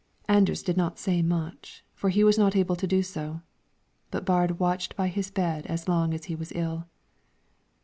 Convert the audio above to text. Anders did not say much, for he was not able to do so, but Baard watched by his bed as long as he was ill.